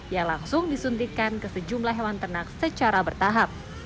yang langsung disuntikan ke sejumlah hewan ternak secara bertahap